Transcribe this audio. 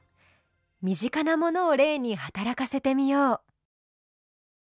身近なものを例に働かせてみよう。